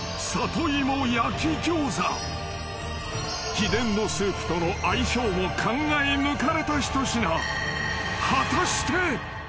［秘伝のスープとの相性も考え抜かれた一品］